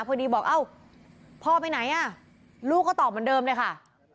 พอดีบอกพ่อไปไหนรูกก็ตอบเหมือนเดิมเลยค่ะ